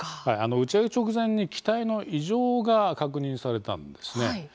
打ち上げ直前に機体の異常が確認されたんですね。